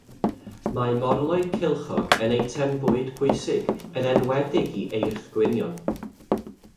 Mae morloi cylchog yn eitem bwyd pwysig, yn enwedig i eirth gwynion.